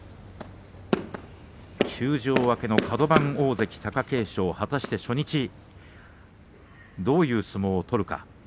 休場明けのカド番大関貴景勝果たして初日、どういう相撲を取るか。